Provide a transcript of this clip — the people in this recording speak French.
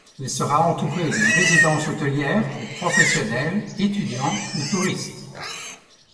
Il sera entouré d’une résidence hôtelière pour professionnels, étudiants ou touristes.